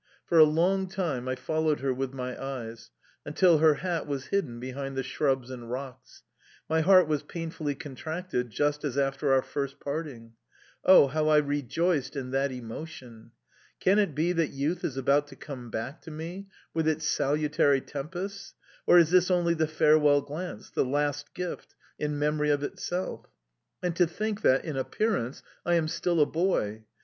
For a long time I followed her with my eyes, until her hat was hidden behind the shrubs and rocks. My heart was painfully contracted, just as after our first parting. Oh, how I rejoiced in that emotion! Can it be that youth is about to come back to me, with its salutary tempests, or is this only the farewell glance, the last gift in memory of itself?... And to think that, in appearance, I am still a boy!